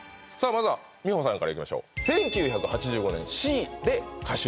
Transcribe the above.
まずは美穂さんからいきましょう